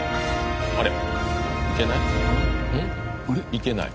行けない。